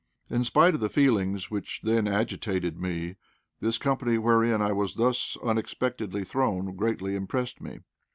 In spite of the feelings which then agitated me, this company wherein I was thus unexpectedly thrown greatly impressed me.